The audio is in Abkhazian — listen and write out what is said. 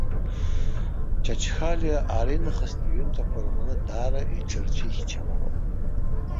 Чачхалиа аринахыстәи иҩымҭақәа рҟны даара иҽырцәихьчалароуп.